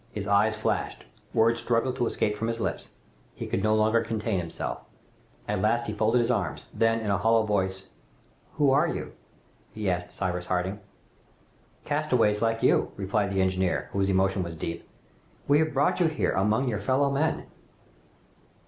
His eyes flashed. Words struggled to escape from his lips. He could no longer contain himself! At last he folded his arms; then, in a hollow voice, "Who are you?" he asked Cyrus Harding. "Castaways, like you," replied the engineer, whose emotion was deep. "We have brought you here, among your fellow men."